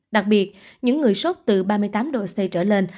đặc biệt những người sốt từ ba mươi tám độ c trở lên